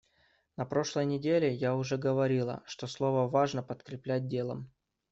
На прошлой неделе я уже говорила, что слово важно подкреплять делом.